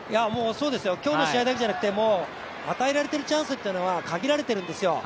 今日の試合だけじゃなくても与えられてるチャンスというのは限られてるんですよ。